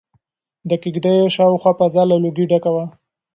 د کيږديو شاوخوا فضا له لوګي ډکه وه.